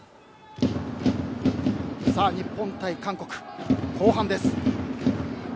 さあ、日本対韓国、後半です。